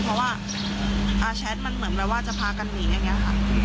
เพราะว่าแชทมันเหมือนแบบว่าจะพากันหนีอย่างนี้ค่ะ